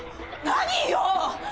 何よ！？